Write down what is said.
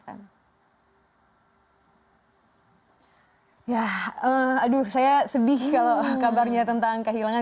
ya aduh saya sedih kalau kabarnya tentang kehilangan